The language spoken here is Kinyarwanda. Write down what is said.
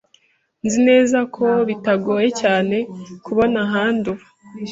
Nzi neza ko bitagoye cyane kubona ahandi uba.